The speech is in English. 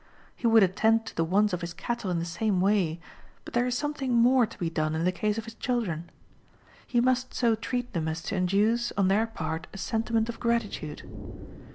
He would attend to the wants of his cattle in the same way, but there is something more to be done in the case of his children. He must so treat them as to induce, on their part, a sentiment of gratitude.